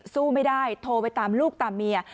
สู้ไม่ได้โทรไปตามลูกตามเมีย